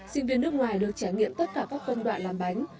sinh viên nước ngoài được trải nghiệm tất cả các công đoạn làm bánh